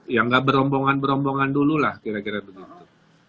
yang gak berombongan berombongan dulu lah kira kira begitu